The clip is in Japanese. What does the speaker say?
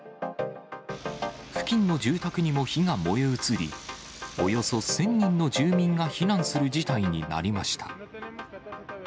付近の住宅にも火が燃え移り、およそ１０００人の住民が避難する事態になりました。